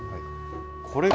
これが。